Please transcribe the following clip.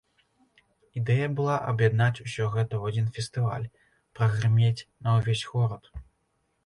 Ідэя была аб'яднаць усё гэта ў адзін фестываль, прагрымець на ўвесь горад.